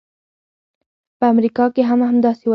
په امریکا کې هم همداسې ده.